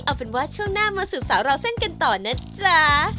เอาเป็นว่าช่วงหน้ามาสู่สาวเราเส้นกันต่อนะจ๊ะ